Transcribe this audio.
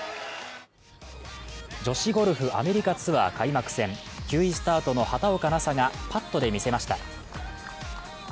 女子ゴルフ、アメリカツアー開幕戦９位スタートの畑岡奈紗がパットで見せました。